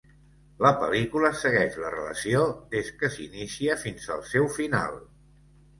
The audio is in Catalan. La pel·lícula segueix la relació des que s'inicia fins al seu final.